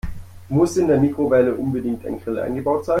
Muss in der Mikrowelle unbedingt ein Grill eingebaut sein?